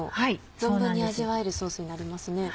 存分に味わえるソースになりますね。